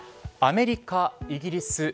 アメリカ、イギリス